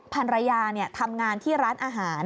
ภรรยาทำงานที่ร้านอาหาร